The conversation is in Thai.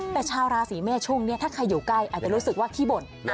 แต่ชาวราศีเมษช่วงนี้ถ้าใครอยู่ใกล้อาจจะรู้สึกว่าขี้บ่น